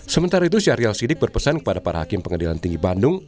sementara itu syahrial sidik berpesan kepada para hakim pengadilan tinggi bandung